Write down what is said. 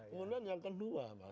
kemudian yang kedua